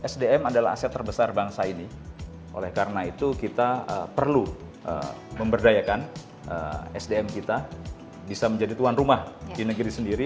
sdm adalah aset terbesar bangsa ini oleh karena itu kita perlu memberdayakan sdm kita bisa menjadi tuan rumah di negeri sendiri